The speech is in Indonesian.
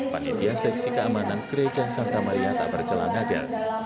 panitia seksi keamanan gereja santamaria takber celangaga